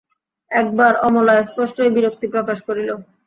একবার অমলা স্পষ্টই বিরক্তি প্রকাশ করিল।